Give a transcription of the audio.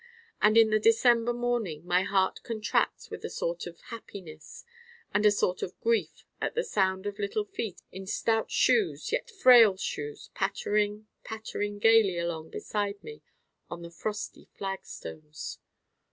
And in the December morning my heart contracts with a sort of happiness and a sort of grief at the sound of little feet in stout shoes yet frail shoes pattering pattering gaily along beside me on the frosty flagstones.